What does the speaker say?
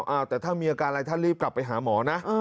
อ้าวแต่ถ้ามีอาการอะไรท่านรีบกลับไปหาหมอนะ